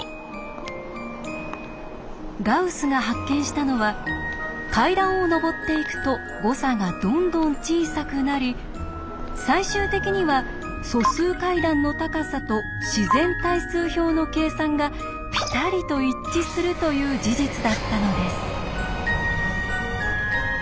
ガウスが発見したのは階段を上っていくと誤差がどんどん小さくなり最終的には「素数階段の高さ」と「自然対数表の計算」がピタリと一致するという事実だったのです。